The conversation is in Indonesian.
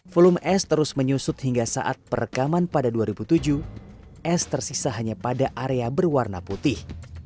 volume es terus menyusut hingga saat perekaman pada dua ribu tujuh es tersisa hanya pada area berwarna putih